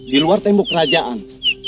di luar tembok kerajaan